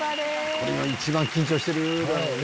これが一番緊張してるだろうね。